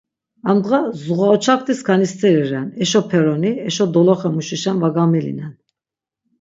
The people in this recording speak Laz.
Amdğa zuğauçakti skani steri ren, eşo peroni, eşo doloxe muşişen va gamilinen.